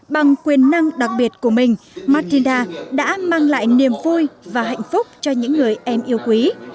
bằng quyền năng đặc biệt của mình martinda đã mang lại niềm vui và hạnh phúc cho những người em yêu quý